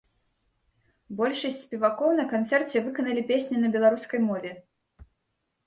Большасць спевакоў на канцэрце выканалі песні на беларускай мове.